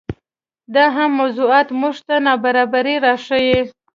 دا مهم موضوعات موږ ته نابرابرۍ راښيي.